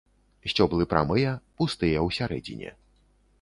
Сцёблы прамыя, пустыя ў сярэдзіне.